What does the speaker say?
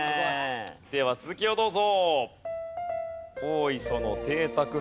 では続きをどうぞ。